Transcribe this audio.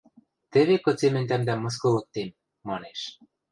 – Теве кыце мӹнь тӓмдӓм мыскылыктем! – манеш.